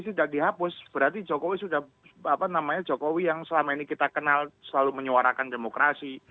kalau ini tidak dihapus berarti jokowi yang selama ini kita kenal selalu menyuarakan demokrasi